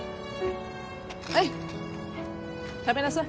はい食べなさい。